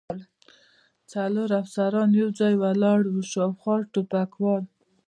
څلور افسران یو ځای ولاړ و، شاوخوا ټوپکوال.